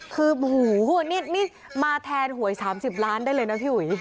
คือนี่มาแทนหวย๓๐ล้านได้เลยนะพี่อุ๋ย